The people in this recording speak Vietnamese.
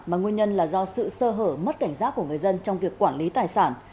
mà nguyên nhân là do sự sơ hở mất cảnh giác của người dân trong việc quản lý tài sản